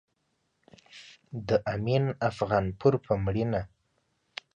د امين افغانپور په مړينه